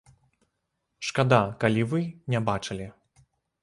Шкада, калі вы не бачылі!